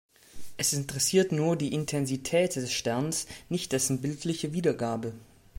Es interessiert nur die Intensität des Sterns, nicht dessen bildliche Wiedergabe.